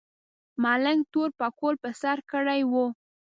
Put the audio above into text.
ملنګ تور پکول په سر کړی و.